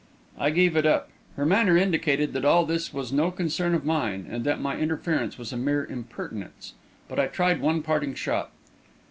I gave it up; her manner indicated that all this was no concern of mine, and that my interference was a mere impertinence. But I tried one parting shot.